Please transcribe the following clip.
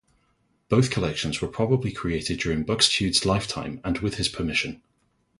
Both collections were probably created during Buxtehude's lifetime and with his permission.